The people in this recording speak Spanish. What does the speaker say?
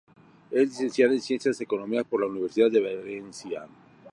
Es licenciada en Ciencias Económicas por la Universidad de Valencia.